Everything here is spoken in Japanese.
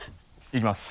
いきます。